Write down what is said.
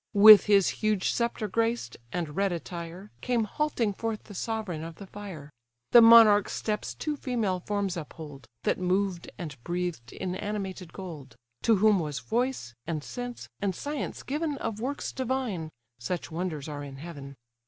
With his huge sceptre graced, and red attire, Came halting forth the sovereign of the fire: The monarch's steps two female forms uphold, That moved and breathed in animated gold; To whom was voice, and sense, and science given Of works divine (such wonders are in heaven!)